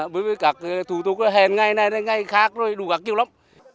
bởi vì các thủ tục hèn ngay này ngay khác rồi đủ các kiểu lắm